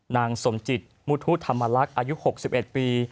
นางสมจิตมุทุธรรมลักษณ์อายุ๖๑ปี